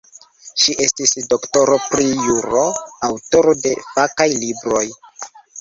Ŝi estis doktoro pri juro, aŭtoro de fakaj libroj.